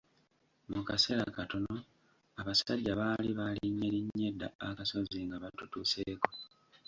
Mu kaseera katono abasajja baali baalinnyerinnye dda akasozi nga batutuuseeko.